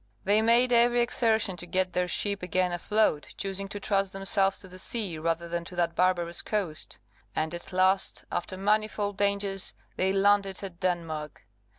They made every exertion to get their ship again afloat, choosing to trust themselves to the sea rather than to that barbarous coast; and at last, after manifold dangers, they landed at Denmark.